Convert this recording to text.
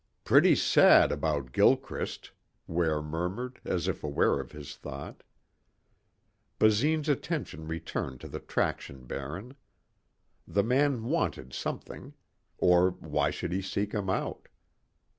"Pretty sad about Gilchrist," Ware murmured as if aware of his thought. Basine's attention returned to the traction baron. The man wanted something. Or why should he seek him out?